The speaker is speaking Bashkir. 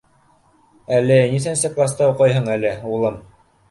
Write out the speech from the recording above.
— Әле нисәнсе класта уҡыйһың әле, улым?